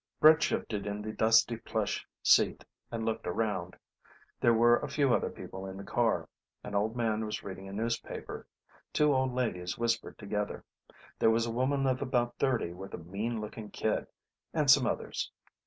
Brett shifted in the dusty plush seat and looked around. There were a few other people in the car. An old man was reading a newspaper; two old ladies whispered together. There was a woman of about thirty with a mean looking kid; and some others.